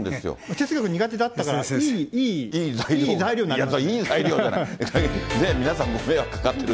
哲学苦手だったから、いい材料になります。